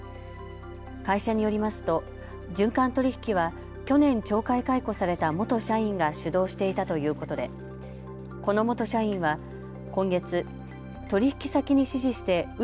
会社によりますと循環取引は去年、懲戒解雇された元社員が主導していたということでこの元社員は今月、取引先に指示してう